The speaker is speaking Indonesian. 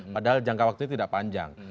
padahal jangka waktu ini tidak panjang